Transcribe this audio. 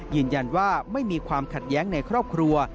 ยืนยันว่าไม่มีความขัดแย้งในครอบครัว